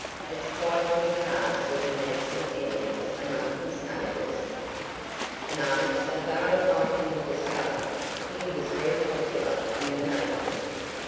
It's quite on the cards that he had some enemies among his neighbors?" "No, so far as I can discover, he was very popular in the neighborhood.